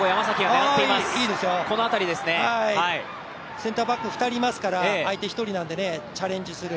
センターバック２人いますから相手１人なんでね、チャレンジする。